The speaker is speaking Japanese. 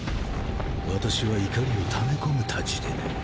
私は怒りを溜め込むタチでね。